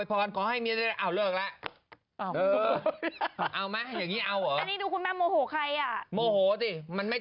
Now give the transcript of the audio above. ก็แล้วเราเป็นคนสัมภาษณ์อยู่ทุกวัน